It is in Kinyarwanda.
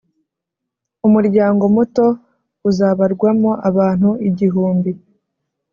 umuryango muto uzabarwamo abantu igihumbi,